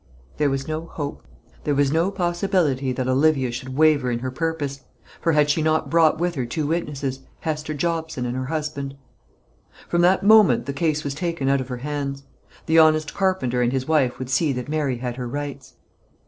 There was no hope. There was no possibility that Olivia should waver in her purpose; for had she not brought with her two witnesses Hester Jobson and her husband? From that moment the case was taken out of her hands. The honest carpenter and his wife would see that Mary had her rights.